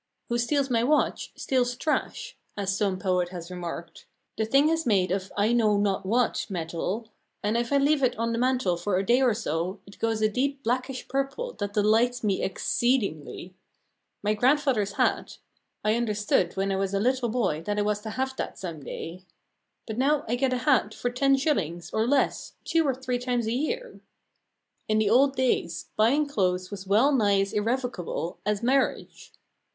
"Who steals my watch steals trash," as some poet has remarked; the thing is made of I know not what metal, and if I leave it on the mantel for a day or so it goes a deep blackish purple that delights me exceedingly. My grandfather's hat I understood when I was a little boy that I was to have that some day. But now I get a hat for ten shillings, or less, two or three times a year. In the old days buying clothes was well nigh as irrevocable as marriage.